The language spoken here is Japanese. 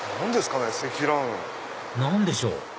何でしょう？